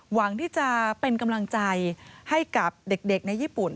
หวังที่จะเป็นกำลังใจให้กับเด็กในญี่ปุ่น